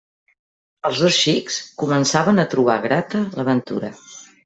Els dos xics començaven a trobar grata l'aventura.